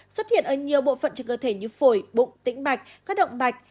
xuất hiện ở nhiều bộ phận trên cơ thể như phổi bụng tĩnh bạch các động mạch